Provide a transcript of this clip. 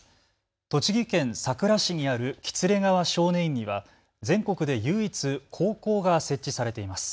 栃木県さくら市にある喜連川少年院には全国で唯一高校が設置されています。